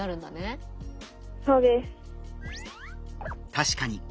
確かに。